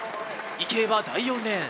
池江は第４レーン。